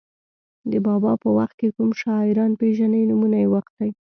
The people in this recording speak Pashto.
د بابا په وخت کې کوم شاعران پېژنئ نومونه یې واخلئ.